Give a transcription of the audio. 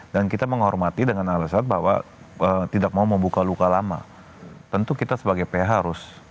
dan kita menghormati dengan alasan bahwa tidak mau membuka luka lama tentu kita sebagai ph harus